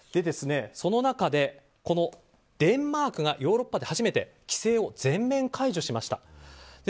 その中で、デンマークがヨーロッパで初めて規制を全面解除しました。